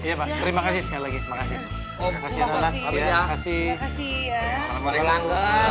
terima kasih sekali lagi